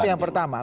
itu yang pertama